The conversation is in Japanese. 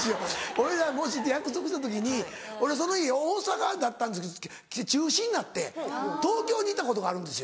俺が約束した時に俺その日大阪だったんですけど中止になって東京にいたことがあるんですよ。